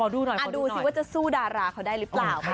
ดูสิว่าจะสู้ดาราเขาได้หรือเปล่า